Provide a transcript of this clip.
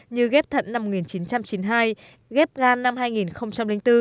như ghép thận năm một nghìn chín trăm chín mươi hai ghép gan năm hai nghìn bốn